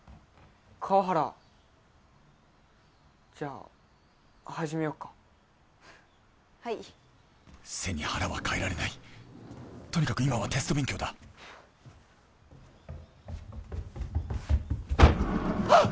川原じゃあ始めよっかはい背に腹は代えられないとにかく今はテスト勉強だはっ！